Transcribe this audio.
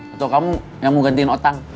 atau kamu yang mau gantiin otak